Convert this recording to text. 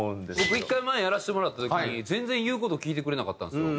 僕１回前やらせてもらった時に全然言う事聞いてくれなかったんですよ